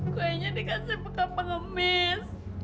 kuenya dikasih peka pengemis